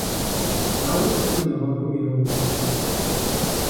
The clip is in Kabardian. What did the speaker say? Ар псэм и гъуэгум ирокӀуэ.